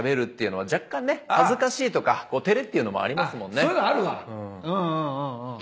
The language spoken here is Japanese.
「そういうのあるわ」